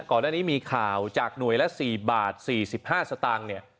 ก่อนหน้านี้มีข่าวจากหน่วยละ๔บาท๔๕สตางค์เนี่ย